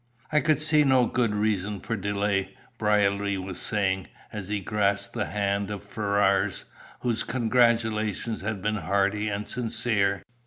"I could see no good reason for delay," Brierly was saying, as he grasped the hand of Ferrars, whose congratulations had been hearty and sincere.